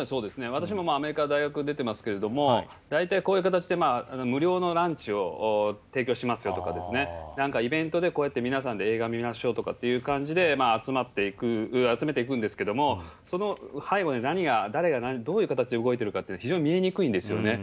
私もアメリカの大学を出てますけども、大体こういう形で、無料のランチを提供しますよとか、なんかイベントで、こうやって皆さんで映画見ましょうとかっていう感じで、集まっていく、集めていくんですけれども、その背後に何が、誰がどういう形で動いているのかというのは、非常に見えにくいんですよね。